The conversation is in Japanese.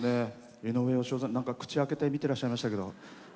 井上芳雄さん、口開けて見てらっしゃいましたけど。